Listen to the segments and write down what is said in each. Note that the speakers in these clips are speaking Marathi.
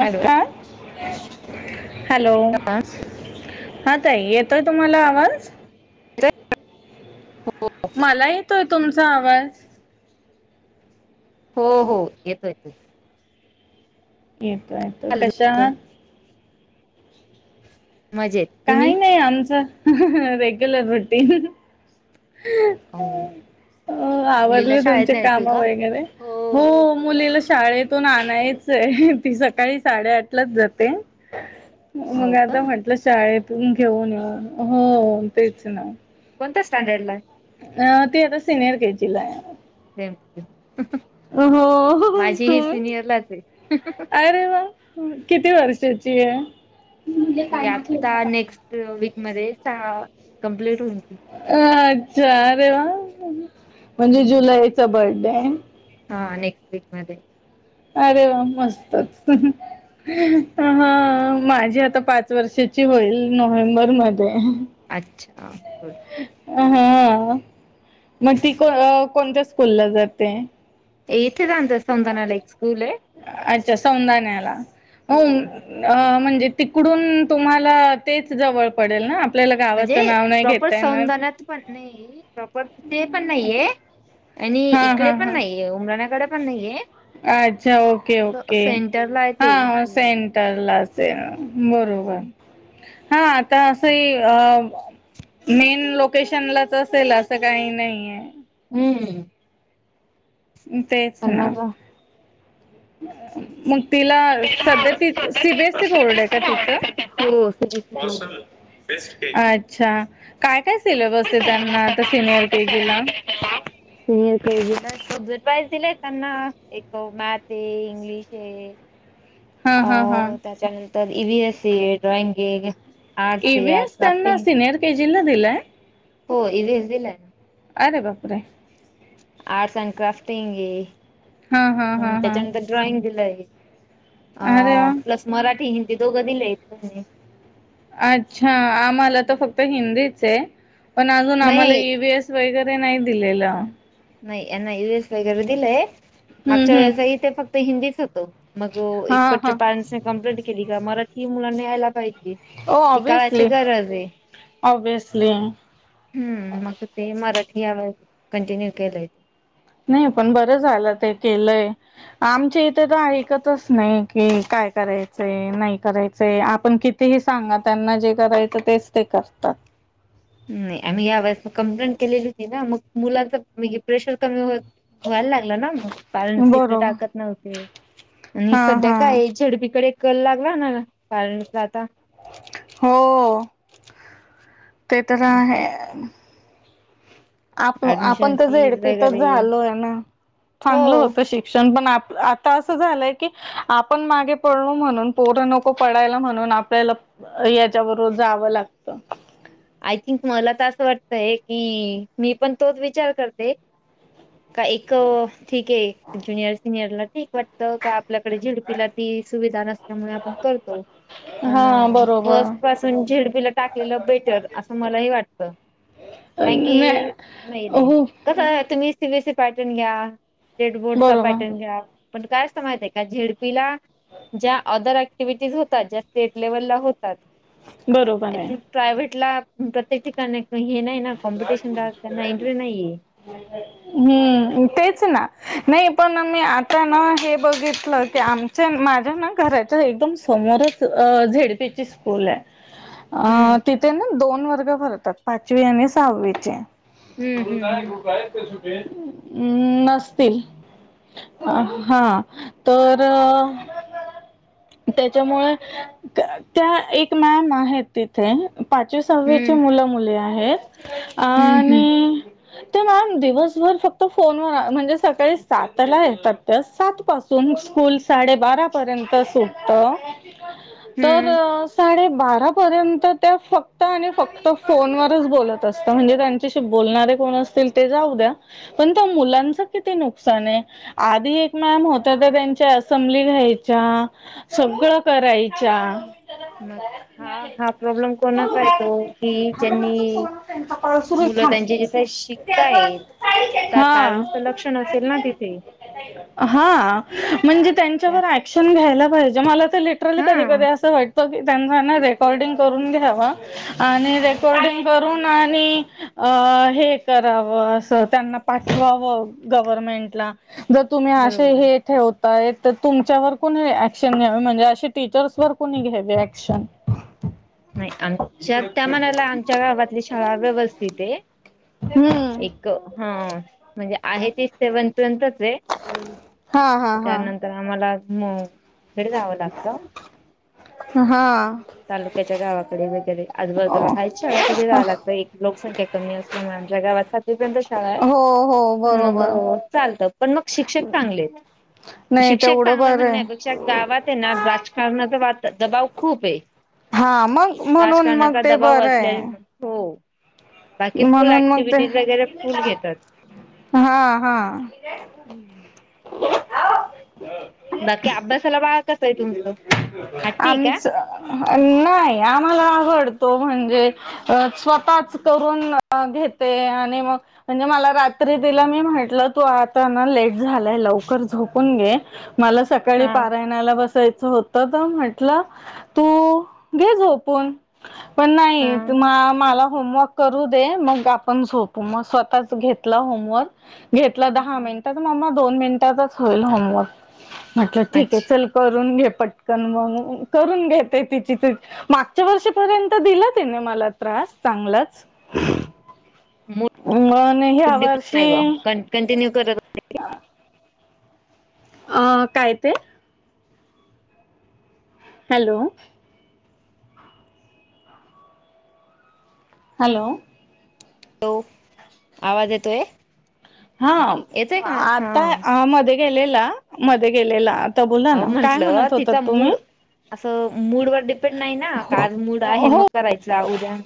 Hello hello! हा हाताय येतोय तुम्हाला आवाज. येतोय? हो मला येतोय तुमचा आवाज. हो हो येतो येतोय. येतो येतो चालू कशा. तुमचं मजेत. तुम्ही? काही नाही आमच रेग्युलर रुटीन. [inaudible] अ मुलीला आवडले शाळेत तुमचे न्यायचंय काम का? वगैरे हो सर्व मुलीला आवरलं. शाळेत तो नाना आहेच आहे ती सकाळी साडेआठलाच जाते हो मग का आता म्हट आप शाळेतून घेऊन येऊन हो तेच ना कोणत्या स्टँडर्ड ला अ ती आता सिनियर के जी ला आहे. हो माझी ही सिनियर लाच आहे. अे वा किती वर्षाची आहेण ती काय म्हट आता नेक्स्ट वीक मध्ये सहा कंप्लीट होनची. अ अच्छा अरे वा म्हणजे हम्म जुलईचा बर्डे आहे. हा नेक्स्ट वीकमध्येध्ये अरे वा मस्तच. हा माझी आता पाच वर्षाची होईल नोव्हेंबर मध्ये अच्छा! हा मग ती को कोणत्या स्कूल ला जाते. इथे जाचं समतानाला एक स्कूल आहे. अच्छा सौंदाण्याला अ हो म्हणजे तिकडून तुम्हाला तेच जवळ पडेल ना आपल्याला गावाचं नाव नाही घेता येणार [unintelligible] पर तथे पण नाहीये आणि हा इकडे हा पण हा नाहीये उमराण्याकडे पण नाहीये अच्छा ओके असं ओके सेंटरला आहे ते हा सेंटर ला असेल बरोबर हम्म हा आता असंही अ मेन लोकेशन लाच असेल असं काही नाहीये. हम्म तेच ना, मग मग तिला सध्या, त C, B, S, E board आहे का तिचं? हो सीबीएससी बोर्ड अच्छा,, काय काय सिलॅबस आहे त्यांना, आता सिनियर के जी ला? ह,. सिनियर केजीला खूप दर प्राईज दिलेय त्यांना एक मॅथ ए, इंग्लिश ए हां आ हां हां त्याच्यानंतर ई व्ही एस आहे ड्रॉइंग आहे आर्ट्स ए व्हि आहे एस त्यांना क्राफ्टिंग सिनियर के जीला दिलाय.? हो इ व्हि एस दिलाय. अरे बापरे! आर्ट्स अँड क्राफ्टिंग ये, हां हां हां हां त्याच्यानंतर ड्रॉइंग दिलं या. अरे वा अ, प्लस मराठी हिंदी दोगबि लिहायचऽ अच्छा आम्हाला तर फक्त हिंदीच आहे पण अजून आम्हाला नाही इ व्ही एस वगैरे नाही दिलेलं नाही यांना यूएस वगैरे दिलंय हम्म मागच्या हम्म वेळेस इथे फक्त हिंदीच होतो मग हा हा इकडच्या पॅरेंटसने कंप्लीट केली का मराठी मुलांना यायला पाहिजे ओ ती काळाची ओबवसली, गरज आहे ओबवसली. हम्म, मग ते मराठी यावेळेस कंटिन्यू केलंय नाही पण बरं झालं ते केलंय आमच्या इथे तर ऐकतच नाही, कि काय करायचंय, नाही करायचय, आपण किती कितीही सांगा त्यांना जे करायचं तेच ते करतात. नाही, आम्ही या वेळेस म कंप्लेंट केलेली होती ना मग मुलांच म्हे प्रेशर कमी होत व्हायला लागला ना मग, पॅरेंट्स तिकडे बरोबर टाकत नव्हते. आणि हा सध्या हा काय झेडपीकडे कल लागला ना, पेरेंट्स चा आता हो, ते तर आहे असं आपल, आपण ऍडमिशन तर झेड फीज पी च वगैरे झालोय ना, हो चांगलं होत शिक शिक्षण पण आप, आता असं झालंय की आपण मागे पडलो म्हणून, पोरं नको पडायला, म्हणून आपल्याला याच्याबरोबर जावं लागत. आय थिंक मला तर असं वाटतय की, मी पण तोच विचार करते का एक, ठीक आहे ज्युनियर, सिनियरला ठीक वाटतं का आपल्याकडे झेडपीला ती सुविधा नसल्यामुळे, आपण करतो. पण हा बरोबर. फस्ट पासून झेड पी ला टाकलेलं बेटर असं मलाही वाटत, कारण नाही की, नाही, नाही हो कस आहे, तुम्ही C B S C pattern घ्या, स्टेट बोर्डचा बरोबर. पॅटर्न घ्या पण काय आसत माहितय का? झेडपीला ज्या अदर अँक्टिव्हिटीज होतात, ज्या स्टेट लेव्हलला होतात. बरोबर आय आहे. थिंक प्रायव्हेटला प्रत्येक ठिकाणी हे नाही ना, कॉम्पिटिशन ला त्यांना इंट्री नाहीये. हम्म तेच ना, नाही पण, मी आता ना, हे बघितलं की आम माझ्या ना, घराच्या एकदम समोरच अ झेड पी ची स्कूल आहे अं, हम्म तिथे ना दोन वर्ग भरतात, पाचवी आणि सहावीचे. हम्म हम्म ् नसतील. हा,, तरऽ त्याच्यामुळे, त्या एक मॅम आहेत तिथेऽ. पाचवी, सहावीची हम्म मुलं मुले आहेत,, हम्म हम्म हम्म आणिऽ ते मॅम दिवसभर फक्त फोनवर,, म्हणजे सकाळी सातला येतात,, तर सात पासून स्कूल साडेबारा पर्यंत सुटतज्ञङ तर हम्म. साडेबारा पर्यंत त्या फक्त आणि फक्त फोनवर,, बोलत असता म्हणजे त्यांच्याशी बोलणारे कोण असतील ते जाऊ द्या. पण त्या मुलांचं किती नुकसान आहे. आधी एक मॅम होत्या तर त्यांच्या असंब्ली घ्यायच्या. सगळं करायच्या. मग हा-हा प्रॉब्लेम कोणाचा येतो की ज्यांनी, मुलं त्यांची जिथे शिकतायेतं त्या हा. पॅरेंट्सच लक्ष. ण असेल ना तिथे. हा म्हणजे त्या त्यांच्यावर ऍक्शन घ्यायला पाहिजे. मला लिटरली कधी हा कधी असं वाटत. त्यां रेकॉर्डिंग करून घ्या आणि रेकॉर्डिंग,, करून आणि अं हे करावं असं त्यांना पाठवावं. गव्हर्नमेंटला जर तुम्ही असे बरोबर. हे ठेव. तर तुमच्यावर कुणी ऍक्शन घ्यावे,, म्हणजे अे टीचर्स वर कोुणी घ्यावे, ऍक्शनऽ नाही, आमच्या त्या म्हणाला आमच्या गावातली शाळा व्यवस्थित य,,, हम्म, एक हा म्हणजे आहे तीच सेव्हन पर्यंतच आहे. हा हा हा.. तर आम्हाला म कडे जावं लागतं. हा तालुक्याच्या गावाकडे वगैर आजूबाजूला हायेत शाळा तिथं हा जायला लागत. एक लोकसंख्याक कमी असल्यामुळे आमच्या गावात सातवीपर्यंत. शाळा हो हो पण मग बरोबर चालतात. पण मग शिक्षक चांगलेत. नाही शिक्षक तेवढं चांगलं बरं आहे म्हणण्यापेक्षा गावात आहे ना राजकारणाचा दबाव खूप आहे. हा मग म्हणून मग राजकारणाचा ते दबाव बरं असल्या आहे. हो बाकी फुल म्हणून मग ते ऍक्टिव्हटीज वगैरे फुल घेतात. हा हा बाकी अभ्यासाला बाळ कसंय तुमचं हट्टीय का? आमच नाही आम्हाला आवडतो म्हणजे अ स्वतःच करून घेते आणि मग म्हणजे मला रात्री तिला मी म्हटलं तू आता ना लेट झालाय लवकर झोपून घे. मला सकाळी हा पारा -नाला बसायचं होत तर म्हंटलं तू घे झोपून. पण नाही हा मला होमवर्क करू दे मग आपण झोपू मग स्वतःच घेतला होमवर् घेतला दहा मिन- मम्मा दोन मिनिटातच होईल होमवर्क म्हटलं ठीक आहे अच्छा चल. करून घे पटकन म करून घेते तिची तीच. मागच्या वर्षीपर्यंत दिला तिने मला त्रास चांगलाच. मूड मण ह्या वर्षी. कॉन्टिन्यू, अं काय ते? हॅलो. हॅलो. हो आवाज येतो आहे हा हा आता मध्ये गेलेला मध्ये गेलेला बोला अहो ना काय म्हंटलं म्हणत होतात तिचा तुम्ही? मूड असं मूड वर डिपेंड नाही ना का हो आज मूड आहे हो मग करायचं उद्या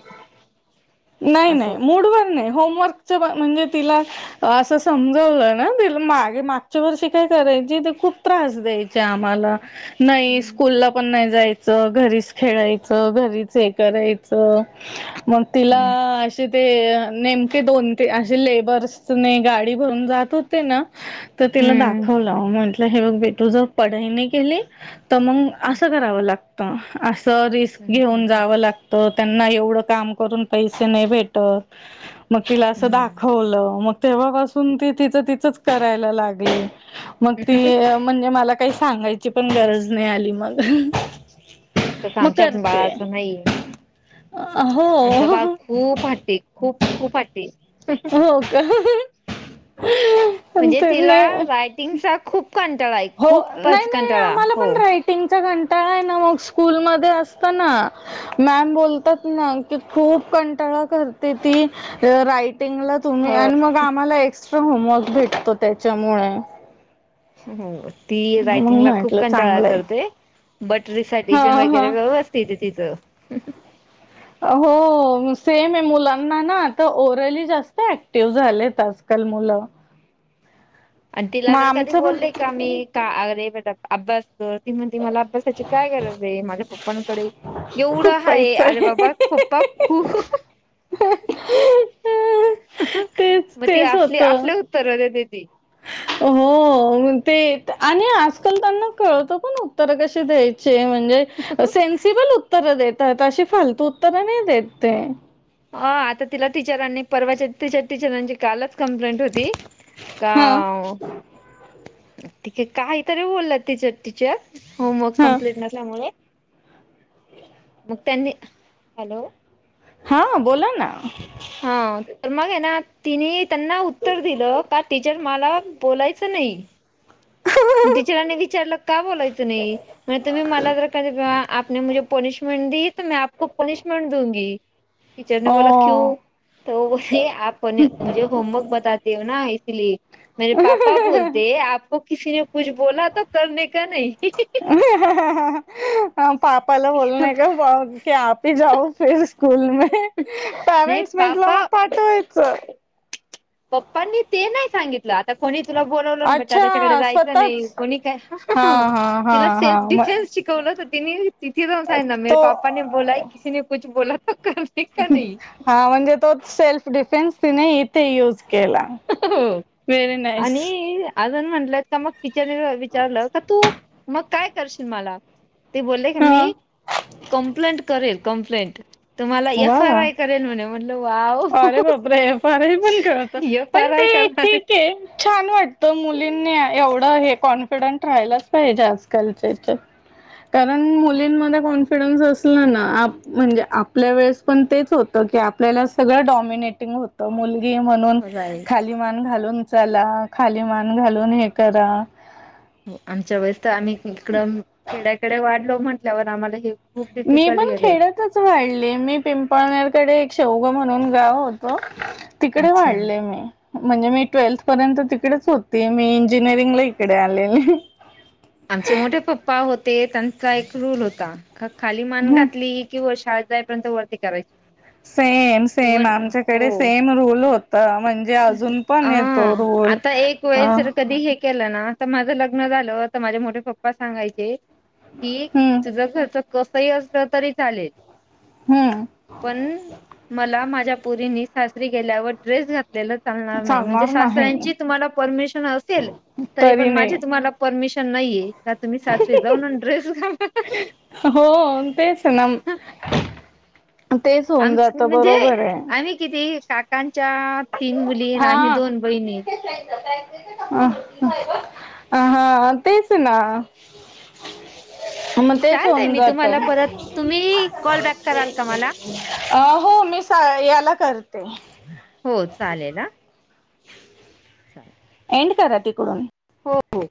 असं नाही-नाही मूडवर नाही. होमवर्कच म्हणजे तिला असं समजावलं ना मागे मागच्या वर्षी काय करायची ती खूप त्रास द्यायची. आम्हाला नाही हम्म स्कूल ला पण नाही जायच घरीच खेळायचं घरीच हे करायचं मग तिला हम्म अ ते नेमके दोन ते असे लेबर्स न गाडी भरून जात होते ना तर तिला हम्म दाखवलं म्हंटलं हे बघ बेटू जर पढाई नाही केली तर मग असं करावं लागत असं रिस्क हम्म हम्म घेऊन हम्म. जावं लागत तर त्यांना एवढं काम करून पैसे नाही भेटत मग तिला असं हम्म दाखवलं मग तेव्हापासून ती तिचं तिचंच करायला लागली [inaudible] मग ती म्हणजे मला काही सांगायची पण गरज नाही आली मग तसं मग आमच्या करते बाळाचं नाहीये अ आमचं हो बाळ खूप हट्टी खूप खूप हट्टी हो का म्हणजे ते तिला नाही रायटिंगचा खूप कंटाळा आहे खूपच कंटाळा हो टिंगचा घंटाळा आहे ना मग स्कूल मध्ये असतना मॅम बोलतात ना की खूप कंटाळा करते ती राईट िंगला हो तुम्ही आणि मग आम्हाला एक्स्ट्रा होमवर्क भेटतो त्याच्यामुळे हो ती मग रायटिंगला खूप म्हटलं कंटाळा चांगलंय करते बट हा रिसायटेशन वगैरे हा व्य तिथ तिथं हो सेम आहे मुलांना ना आता ओरली जास्त ऍक्टिव्ह झालेत आजकाल मुलं आणि तिला मग तर कधी आमचं पण बोलले का मी का अर अभस तर म्हणते मला अभ्यासाची काय गरज आहे माझ्या पप्पांकडे एवढं खूप आहे पैसा अरे बाबा पप्पा खूप तेच मग ती तेच असली होतं असल्या उत्तर देत्याती हो ते आणि आजकाल त्यांना कळत पण उत्तर कशी द्यायची श्रय म्हणजे सेन्सिबल उत्तर देतात अशी फालतू उत्तरं नाही देत ते अ आता तिला टीचरांनी परवाच्या तिच्या टीचरांची कालच कंप्लेंट होती का हा ठीके काहीतरी बोलला तिच टीचर होमवर्क हा कंमप्लीट नसल्यामुळे मग त्यानी हॅलो हा बोला ना हा तर मग आहे ना तिने त्यांना उत्तर दिलं का टीचर मला बोलायचं नाही मग टीचरांनी विचारलं का बोलायचं नाही म तुम्ही मला जर कधी आपने मुजे पनिशमेंट दि तो मे आपको पनिशमेंट दूंगी टीचरने बोला क्यू हो त ब आपे मुझे होमवर्क बतते हो ना इसलिये मेेरे पापा बोलते आपको कीने कुछ बोला तो करने का नाही पापाला बोलणे का की आपही जाऊ फिर स्कूल मे नाही पॅरेंट्स म्हेटलं मग पापा पाठवायचं पप्पनी ते नाही सांगितलं आता कोणी तुला बोलावलं बेटा अच्छा त्याच्याकडे जायचं नाही स्वतःच कोणी काय हा हा हा तुला हा सेल्फ म डिफेन्स श बला तर तिही तिथी सां ना मेर तो पापाने बोलाय किने कुछ बोला त का नाही हा म्हणजे तोच सेल्फ डिफेन्स तिने इथे यूज केला हो व्हेरी नाईस आणि अजून म्हटलेत का मग टिचर विचारलं का तू मग काय करशील मला? ते बोलले क म हा कम्प्लेंट करेल कमप्लेंट तुम्हाला एफ वा आर वा आय करेल म्हणल वाव अरे बापरे फारही पण कळत एफ पण आर आय ते करणार. ठीक छान वाटतं मुलींनी एवढं हे कॉन्फिडंट राहायलाच पाहिजे आजकालचे ह्याच्यात कारण मुलींमध्ये कॉन्फिडन्स असलं ना आप म्हणजे आपल्या वेळेस पण तेच होत. आपल्या सगळं डॉमिनाटिंग होत मुलगी म्हणून राईट खाल खाली मान घालून चाला खाली मान घालून हे करा हो आमच्या वेळेस तर आम्ही इकडं खेड्याकडे वाढलो म्हटल्यावर आम्हाला हे खूप मी डिफिकल्ट पण गेलंय खेड्यातच वाढली मी पिंपळनेरकडे एक शेवग म्हणून गाव होत, तिकड अच्छा वाढले मी म्हणजे मी ट्वेल्थ पर्यंत तिकडेच होते मी इंजिनिअरिंगला इकडे आले आमचे मोठे पप्पा होते त्यांचा एक रूल होता. खाली मान घातली कि व शाळेत जाईपर्यंत वरती करायची नाही सेम, सेम इव्हन आमच्याकडे सेम रूल होता म्हणजे अजून पण येतो अं रूल आता एक अ वेळेस तर हम्म कधी हे केलं ना तर माझं लग्न झालं तर माझे मोठे पप्पा सांगायचे, की तुझ खर्च कस ह असलं तरी चालेल हम्म पण मला माझ्या पुरीनी सासरी गेल्यावर ड्रेस घातलेला चालणार नाही म्हणजे सासऱ्यांची तुम्हाला परमिशन असेल तरी पण माझे तुम्हाला परमिशन नाहीं का तुम्ही सास ते जाऊन ड्रेसच घालाल हो तेच ना [inaudible] तेच होऊन जात म्हणजे बरोबर आहे आम्ही किती काकांच्या तीन मुली आणि आम्ही हा.. [unintelligible] दोन बहिणी [unintelligible] अ अ हा तेच ना मग तेच होऊन चालतय मी जात [unintelligible] [inaudible] अ तुम्हाला परत तुम्ही कॉल बॅक कराल का मला हो मी याला करते हो चालेल हा [unintelligible] चाल एंड करा तिकडून हो हो